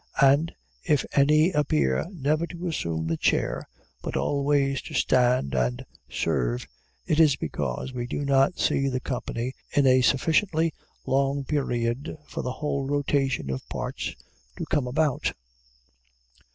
And if any appear never to assume the chair, but always to stand and serve, it is because we do not see the company in a sufficiently long period for the whole rotation of parts to come about.